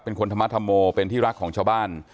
เป็นคนธรรมธรโมเป็นที่รักของชาวบ้าน